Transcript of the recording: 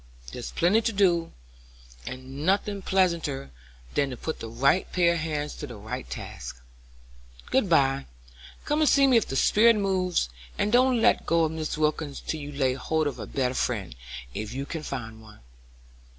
There's plenty to do, and nothing pleasanter than to put the right pair of hands to the right task. Good by; come and see me if the spirit moves, and don't let go of Mrs. Wilkins till you lay hold of a better friend, if you can find one."